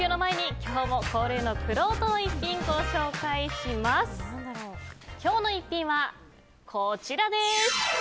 今日の逸品はこちらです。